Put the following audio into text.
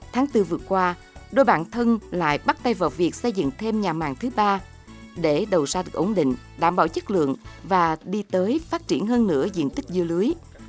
tháng bốn vừa qua đôi bản thân lại bắt tay vào việc xây dựng thêm nhà màng thứ ba để đầu ra được ổn định đảm bảo chất lượng và đi tới phát triển hơn nữa diện tích dưa lưới